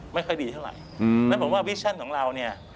ไม่ค่อยดีเท่าไหร่งั้นผมว่าวิชั่นของเราเนี่ย